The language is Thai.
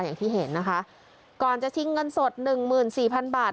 อย่างที่เห็นนะคะก่อนจะทิ้งกันสด๓๔๐๐๐บาท